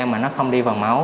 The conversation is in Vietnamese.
mà nó không đi vào máu